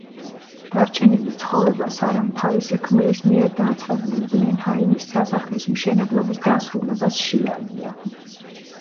დარჩენილი ცხოვრება სარამ თავისი ქმრის მიერ დაწყებული ბლენჰაიმის სასახლის მშენებლობის დასრულებას შეალია.